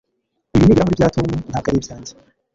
ibi ni ibirahuri bya tom, ntabwo ari ibyanjye